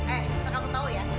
eh sesekamu tahu ya